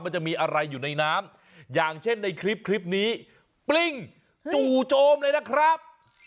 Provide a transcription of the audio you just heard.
มันจะมีอะไรอยู่ในน้ำอย่างเช่นในคลิปนี้ปลิ้งจู่โจมเลยนะครับ